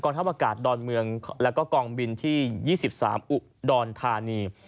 กลทฮวากาศดอนเมืองและกองบินที่๒๓อุดอนทานี